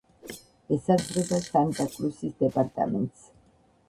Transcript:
ესაზღვრება სანტა-კრუსის დეპარტამენტს.